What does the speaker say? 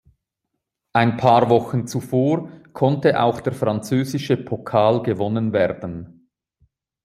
Ein paar Wochen zuvor konnte auch der französische Pokal gewonnen werden.